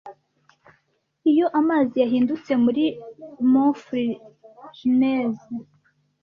iyo amazi yahindutse muri maufrigneuse